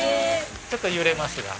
ちょっと揺れますが。